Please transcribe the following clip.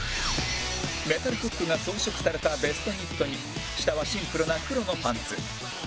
メタルフックが装飾されたベストニットに下はシンプルな黒のパンツ